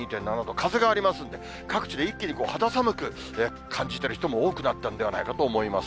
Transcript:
風がありますんで、各地で一気に肌寒く感じてる人も多くなっているんではないかと思います。